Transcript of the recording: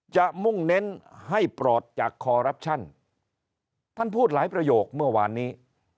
มุ่งเน้นให้ปลอดจากคอรับชันท่านพูดหลายประโยคเมื่อวานนี้